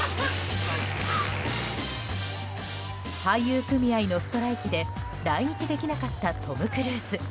俳優組合のストライキで来日できなかったトム・クルーズ。